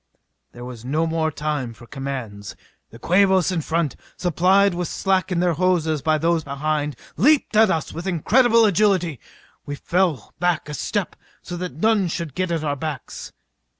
_" There was no more time for commands. The Quabos in front, supplied with slack in their hoses by those behind, leaped at us with incredible agility. We fell back a step so that none should get at our backs.